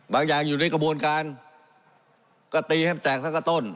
อย่างอยู่ในกระบวนการก็ตีให้มันแตกสักกระต้น